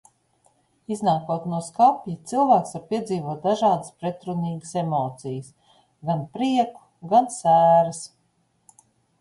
Iznākot no skapja, cilvēks var piedzīvot dažādas pretrunīgas emocijas – gan prieku, gan sēras.